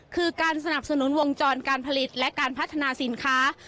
คือการสนับสนุนวงจรการผลิตและการพัฒนาสินค้า